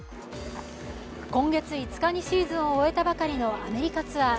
今月５日にシーズンを終えたばかりのアメリカツアー。